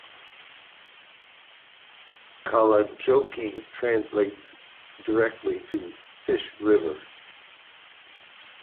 Kalajoki translates directly to "Fish River".